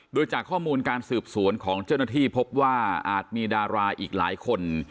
โดยจากข้อมูลการสืบสวนของเจ้าหน้าที่พบว่าอาจมีดาราอีกหลายคน